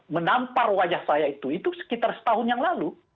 menampar wajah saya itu itu sekitar setahun yang lalu